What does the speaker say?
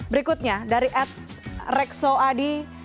berikutnya dari ad rekso adi